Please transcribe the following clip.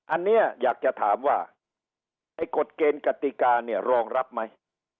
อันนี้อยากจะถามว่าไอ้กฎเกณฑ์กติกาเนี่ยรองรับไหม